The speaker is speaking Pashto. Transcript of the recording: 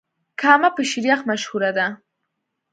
کامه په شيريخ مشهوره ده.